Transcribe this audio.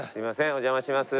お邪魔します。